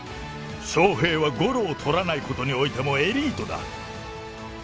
翔平はゴロを捕らないことにおいてもエリートだ。